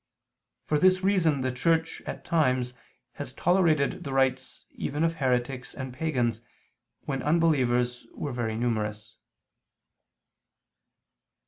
For this reason the Church, at times, has tolerated the rites even of heretics and pagans, when unbelievers were very numerous.